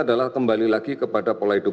adalah kembali lagi kepada pola hidup